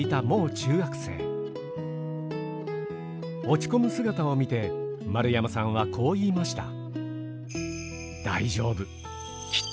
落ち込む姿を見て丸山さんはこう言いました。